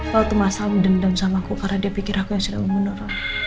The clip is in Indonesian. waktu mas al mendendam sama aku karena dia pikir aku yang silap mengundur